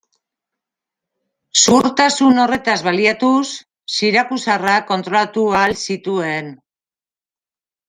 Zuhurtasun horretaz baliatuz, sirakusarrak kontrolatu ahal zituen.